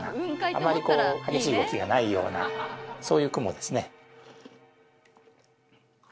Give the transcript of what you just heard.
あまりこう激しい動きがないようなそういう雲ですね。